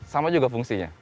sama juga fungsinya